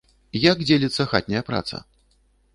Як дзеліцца хатняя праца?